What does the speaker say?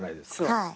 はい。